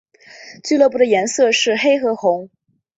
福州疍民渔歌来源于福州疍民的水上生活。